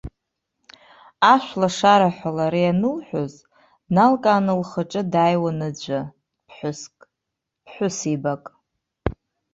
Ашәлашара ҳәа лара ианылҳәоз, дналкааны лхаҿы дааиуан аӡәы, ԥҳәыск, ԥҳәысеибак.